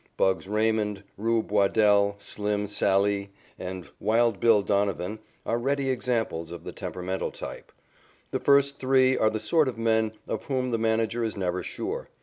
"Bugs" Raymond, "Rube" Waddell, "Slim" Sallee, and "Wild Bill" Donovan are ready examples of the temperamental type. The first three are the sort of men of whom the manager is never sure.